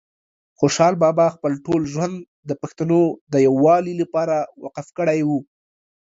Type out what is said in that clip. خوشحال بابا خپل ټول ژوند د پښتنو د یووالي لپاره وقف کړی وه